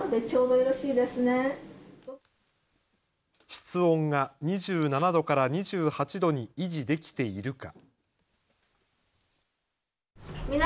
室温が２７度から２８度に維持できているか。